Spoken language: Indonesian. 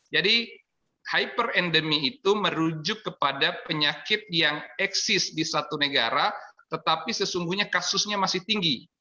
jadi hyperendemik itu merujuk kepada penyakit yang eksis di satu negara tetapi sesungguhnya kasusnya masih tinggi